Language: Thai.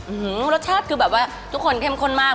รสชาติคือแบบว่าทุกคนเข้มข้นมาก